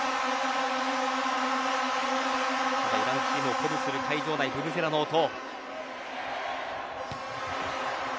イランチームを鼓舞する会場内、ブブゼラの音。